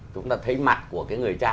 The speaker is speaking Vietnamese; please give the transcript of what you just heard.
chúng ta thấy mặt của người cha